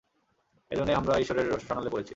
এইজন্যই আমরা ঈশ্বরের রোষানলে পরেছি!